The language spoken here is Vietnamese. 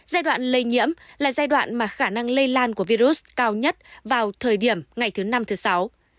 giai đoạn lây nhiễm là giai đoạn mà khả năng lây lan của virus cao nhất vào thời điểm ngày thứ năm thứ sáu